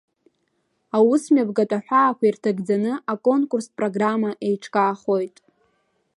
Аусмҩаԥгатә аҳәаақәа ирҭагӡаны аконкурстә программа еиҿкаахоит.